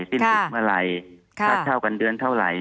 สิ้นสุดเมื่อไหร่ค่าเช่ากันเดือนเท่าไหร่